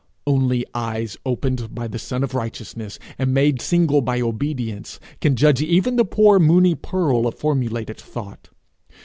Only eyes opened by the sun of righteousness, and made single by obedience, can judge even the poor moony pearl of formulated thought.